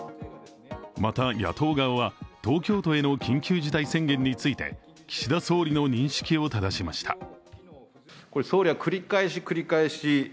また、野党側は東京都への緊急事態宣言について、岸田総理の認識をただしました。